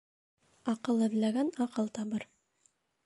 Аҡыл эҙләгән аҡыл табыр